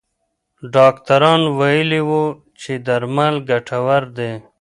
ډاکټران ویلي وو چې درمل ګټور دي.